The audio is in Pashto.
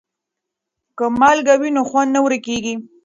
که مالګه وي نو خوند نه ورکیږي.